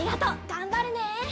がんばるね。